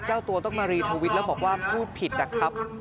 เจ้าตัวต้องมารีทวิตแล้วบอกว่าพูดผิดนะครับ